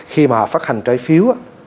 khi mà họ phát hành trái phiếu